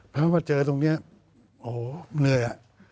เพราะว่าเจอตรงนี้โอ้โหเหนื่อยอ่ะ